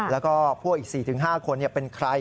แล้วก็พวกอีก๔๕คนเป็นใคร